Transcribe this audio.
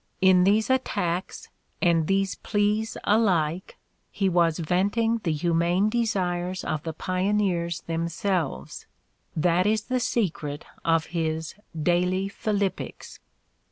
In these attacks and these pleas alike he was venting the humane desires of the pioneers themselves: that is the secret of his "daily philippics."